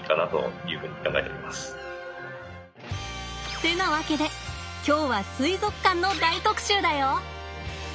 ってなわけで今日は水族館の大特集だよ！